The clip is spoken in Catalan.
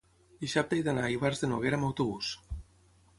dissabte he d'anar a Ivars de Noguera amb autobús.